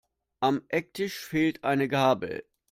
Am Ecktisch fehlt eine Gabel.